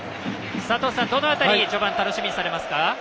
佐藤さん、どの辺り序盤楽しみにされますか？